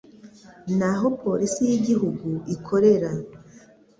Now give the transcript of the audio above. n'aho Polisi y'Igihugu ikorera